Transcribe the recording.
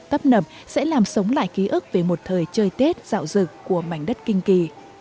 tấp nập sẽ làm sống lại ký ức về một thời chơi tết dạo dực của mảnh đất kinh kỳ